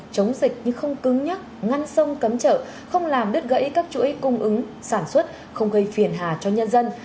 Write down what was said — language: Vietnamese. chống dịch như không cứng nhắc ngăn sông cấm chợ không làm đứt gãy các chuỗi cung ứng sản xuất không gây phiền hà cho nhân dân